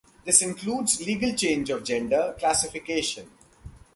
This includes legal change of gender classification.